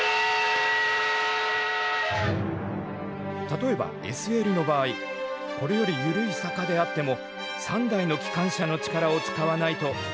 例えばＳＬの場合これより緩い坂であっても３台の機関車の力を使わないととてものぼれない。